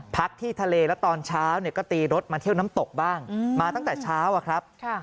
พักที่ทะเลแล้วตอนเช้าก็ตีรถมาเที่ยวน้ำตกบ้างมาตั้งแต่เช้าอะครับ